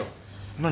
何？